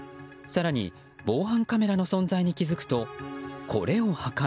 更に防犯カメラの存在に気づくと、これを破壊。